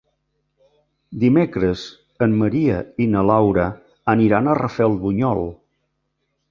Dimecres en Maria i na Laura aniran a Rafelbunyol.